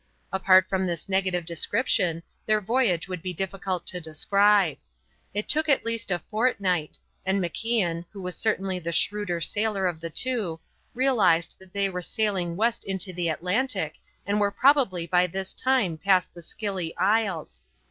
Apart from this negative description, their voyage would be difficult to describe. It took at least a fortnight, and MacIan, who was certainly the shrewder sailor of the two, realized that they were sailing west into the Atlantic and were probably by this time past the Scilly Isles.